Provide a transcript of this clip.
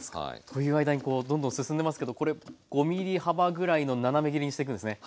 という間にこうどんどん進んでますけどこれ５ｍｍ幅ぐらいの斜め切りにしていくんですね。